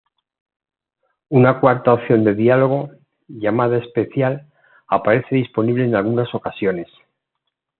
Una cuarta opción de diálogo, llamada "especial", aparece disponible en algunas ocasiones.